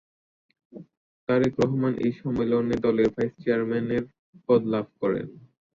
তারেক রহমান এই সম্মেলনে দলের ভাইস চেয়ারম্যানের পদ লাভ করেন।